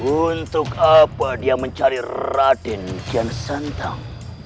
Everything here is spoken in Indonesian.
untuk apa dia mencari raden kian santam